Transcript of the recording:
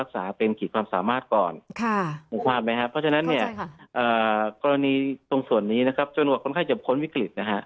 ดังนั้นโรงพยาบาลค่อยส่งต่อคนไข้นะครับ